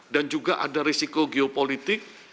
dan juga ada risiko geopolitik